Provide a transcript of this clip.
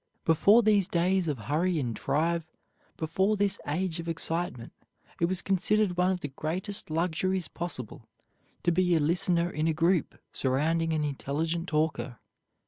Before these days of hurry and drive, before this age of excitement, it was considered one of the greatest luxuries possible to be a listener in a group surrounding an intelligent talker.